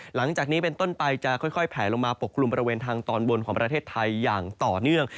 หลังจากนี้เป็นต้นไปจะค่อยแผลลงมาปกคลุมบริเวณทางตอนบนของประเทศไทยอย่างต่อเนื่อง